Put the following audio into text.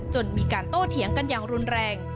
จนมีการโต้เถียงกันอย่างรุนแรง